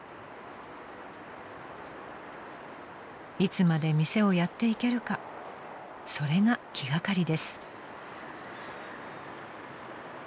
［いつまで店をやっていけるかそれが気がかりです］